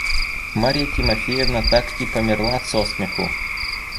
Марья Тимофеевна так и померла со смеху.